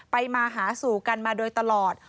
มาหาสู่กันมาโดยตลอด